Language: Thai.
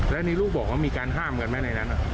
แล้วนี่ลูกบอกว่ามีการห้ามกันไหมในนั้น